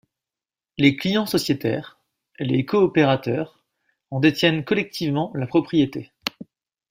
Ses clients-sociétaires, les coopérateurs, en détiennent collectivement la propriété.